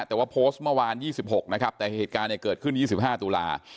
แต่ว่าโพสต์เมื่อวานยี่สิบหกนะครับแต่เหตุการณ์เนี้ยเกิดขึ้นยี่สิบห้าตุลา